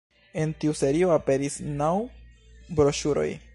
En tiu serio aperis naŭ broŝuroj.